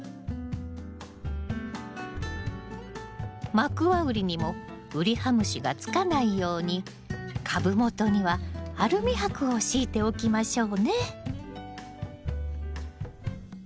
マクワウリにもウリハムシがつかないように株元にはアルミ箔を敷いておきましょうね。